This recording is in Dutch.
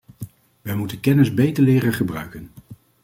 Wij moeten kennis beter leren gebruiken.